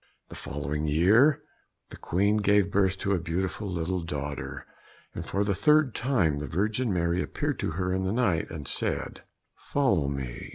The following year the Queen gave birth to a beautiful little daughter, and for the third time the Virgin Mary appeared to her in the night and said, "Follow me."